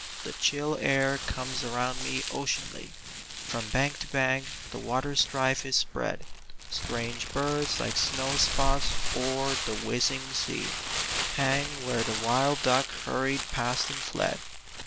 The chill air comes around me oceanly, From bank to bank the waterstrife is spread; Strange birds like snowspots oer the whizzing sea Hang where the wild duck hurried past and fled.